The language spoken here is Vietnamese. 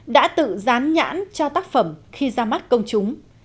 đã tự dán nhãn cho tác phẩm khi ra mắt công chúng